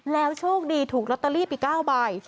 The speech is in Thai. โชคดีถูกลอตเตอรี่ไป๙ใบ